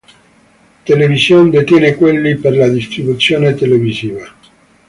Television detiene quelli per la distribuzione televisiva.